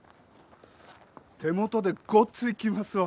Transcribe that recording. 手元でごっついきますわ。